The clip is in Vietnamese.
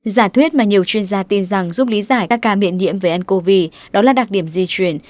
giả thuyết mà nhiều chuyên gia tin rằng giúp lý giải các ca miễn nhiễm về ncov đó là đặc điểm di chuyển